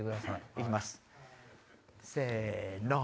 行きますせの！